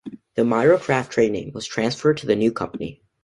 The MirroCraft tradename was transferred to the new company.